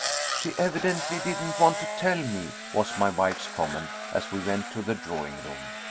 "She evidently didn't want to tell me," was my wife's comment, as we went to the drawing room.